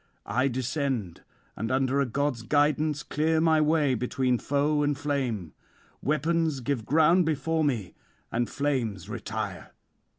I descend, and under a god's guidance clear my way between foe and flame; weapons give ground before me, and flames retire.